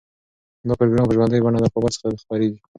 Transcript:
دا پروګرام په ژوندۍ بڼه له کابل څخه خپریږي.